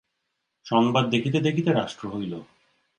সংবাদ দেখিতে দেখিতে রাষ্ট্র হইল।